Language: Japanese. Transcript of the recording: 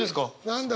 何だ？